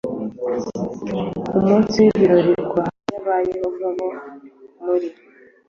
umunsi w ibirori ku bahamya ba yehova bo muri